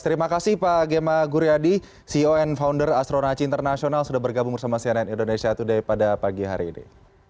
terima kasih pak gemma guryadi ceo and founder astronaci international sudah bergabung bersama cnn indonesia today pada pagi hari ini